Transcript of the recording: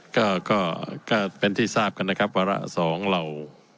ก็ก็เป็นที่ทราบกันนะครับวาระสองเรา